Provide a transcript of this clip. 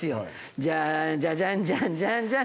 じゃんじゃじゃんじゃんじゃんじゃん。